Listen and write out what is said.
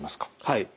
はい。